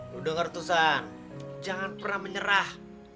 lo denger tuh san jangan pernah menyerah